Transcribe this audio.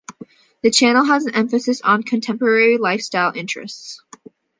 The channel has an emphasis on contemporary lifestyle interests.